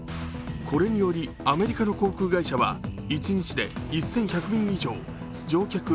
これによりアメリカの航空会社は一日で１１００便以上乗客